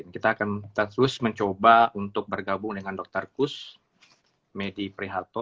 kita akan terus mencoba untuk bergabung dengan dokter kusmedi priharto